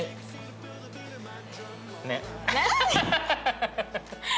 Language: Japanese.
ハハハハ。